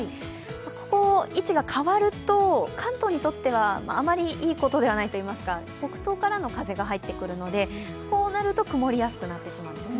ここ、位置が変わると関東にとってはあまりいいことではないといいますか、北東からの風が入ってくるので、こうなると曇りやすくなってしまうんですね。